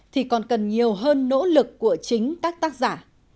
thì còn cần nhiều hơn nỗ lực của chính các tác giả